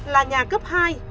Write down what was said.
là nhà cấp hai ba